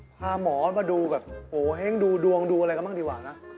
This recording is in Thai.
พาหมอมาดูแบบโงเห้งดูดวงดูอะไรกันบ้างดีกว่านะ